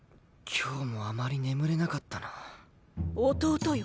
今日もあまり眠れなかったな弟よ。